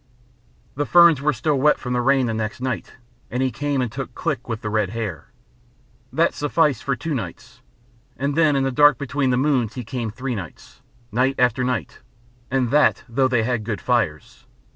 The ferns were still wet from the rain the next night, and he came and took Click with the red hair. That sufficed for two nights. And then in the dark between the moons he came three nights, night after night, and that though they had good fires.